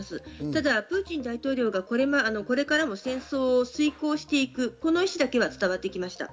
ただプーチン大統領がこれからも戦争を遂行していく、この意志だけは伝わってきました。